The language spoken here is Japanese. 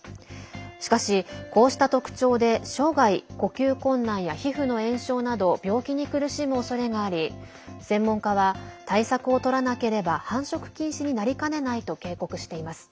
しかし、こうした特徴で生涯呼吸困難や皮膚の炎症など病気に苦しむおそれがあり専門家は対策をとらなければ繁殖禁止になりかねないと警告しています。